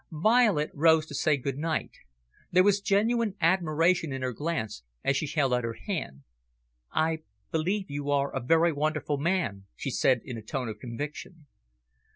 Violet rose to say good night. There was genuine admiration in her glance, as she held out her hand. "I believe you are a very wonderful man," she said, in a tone of conviction.